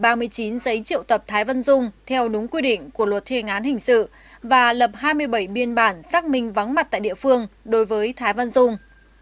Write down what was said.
bàn công an xã diễn hạnh đã gửi ba mươi chín triệu tập thái văn dung theo đúng quy định của luật thi hình án hình sự và lập hai mươi bảy biên bản xác minh vắng mặt tại địa phương đối với thái văn dung